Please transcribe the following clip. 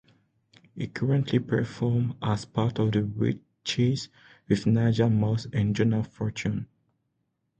He currently performs as part of The Witchies with Nadia Moss and Jonah Fortune.